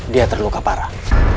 dia terluka parah